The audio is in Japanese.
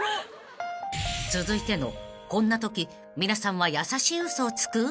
［続いてのこんなとき皆さんは優しい嘘をつく？］